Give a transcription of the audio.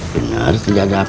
benar gak ada apa apa